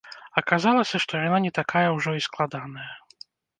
Аказалася, што яна не такая ўжо і складаная.